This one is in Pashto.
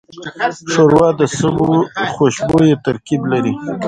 ښوروا د سبو خوشبویه ترکیب لري.